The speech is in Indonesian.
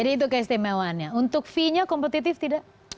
jadi itu keistimewaannya untuk fee nya kompetitif tidak